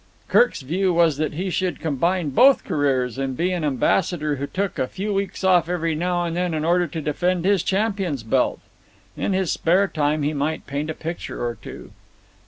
Kirk's view was that he should combine both careers and be an ambassador who took a few weeks off every now and then in order to defend his champion's belt. In his spare time he might paint a picture or two.